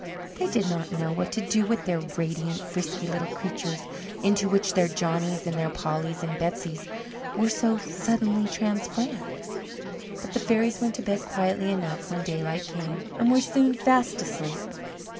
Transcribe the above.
They did not know what to do with these radiant, frisky little creatures into which their Johnnys and their Pollys and Betseys were so suddenly transformed. But the fairies went to bed quietly enough when daylight came, and were soon fast asleep.